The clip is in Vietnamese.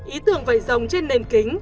ý tưởng vậy rồng trên nền kính